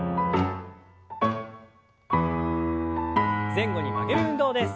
前後に曲げる運動です。